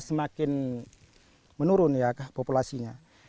semakin menurun populasinya